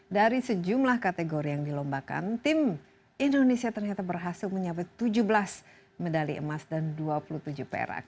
dari sejumlah kategori yang dilombakan tim indonesia ternyata berhasil mencapai tujuh belas medali emas dan dua puluh tujuh perak